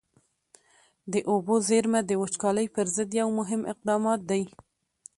د اوبو زېرمه د وچکالۍ پر ضد یو مهم اقدام دی.